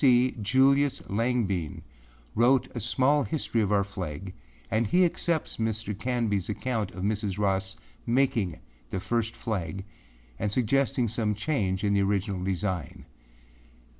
C. Julius Langbein wrote a small history of our flag and he accepts Mr. Canbyâs account of Mrs. Ross making the first flag and suggesting some change in the original design.